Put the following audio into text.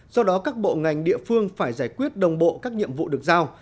do đó các bộ ngành địa phương phải giải quyết đồng bộ các nhiệm vụ được giao